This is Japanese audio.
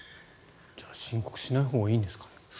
じゃあ、申告しないほうがいいんですか？